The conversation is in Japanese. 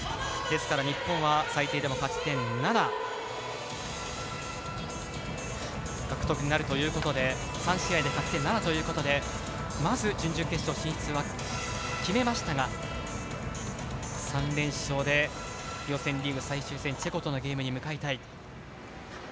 ですから日本は最低でも勝ち点７獲得になるということで３試合で勝ち点７ということでまず準々決勝進出は決めましたが３連勝で予選リーグ最終戦チェコとのゲームに向かいたい。